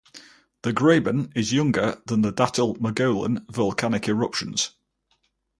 The graben is younger than the Datil-Mogollon volcanic eruptions.